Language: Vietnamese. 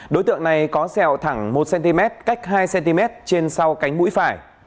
đối tượng này có sẹo thẳng một cm cách hai cm trên sau cánh mũi phải